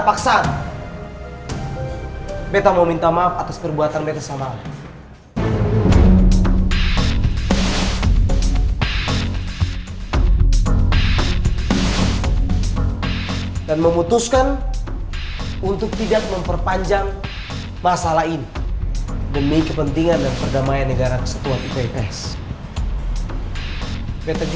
peniaturan yang diberikan kepada jokowi tak akan bertahan vet dirty